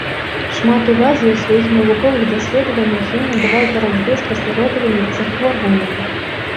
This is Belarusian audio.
Шмат увагі ў сваіх навуковых даследаваннях ён надаваў барацьбе з пасляродавымі захворваннямі.